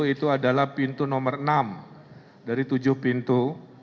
itu adalah pintu nomor enam dari tujuh pintu